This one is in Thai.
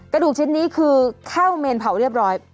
กระดูกชิ้นนี้คือเข้าเมนเผาเรียบร้อย